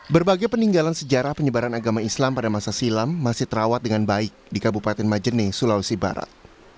berbagai peninggalan sejarah penyebaran agama islam pada masa silam masih terawat dengan baik di kabupaten majene sulawesi barat